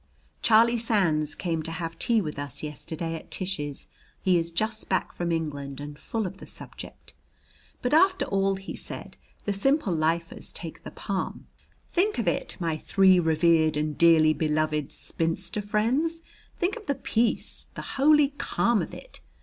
Charlie Sands came to have tea with us yesterday at Tish's. He is just back from England and full of the subject. "But after all," he said, "the Simple Lifers take the palm. Think of it, my three revered and dearly beloved spinster friends; think of the peace, the holy calm of it!